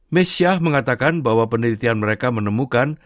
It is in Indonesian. misyah mengatakan bahwa penelitian mereka menemukan